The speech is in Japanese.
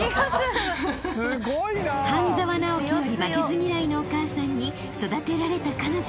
［『半沢直樹』より負けず嫌いのお母さんに育てられた彼女］